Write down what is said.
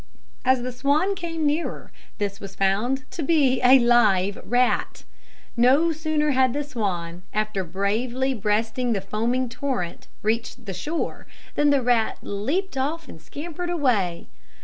As the swan came nearer, this was found to be a live rat. No sooner had the swan, after bravely breasting the foaming torrent, reached the shore, than the rat leaped off and scampered away.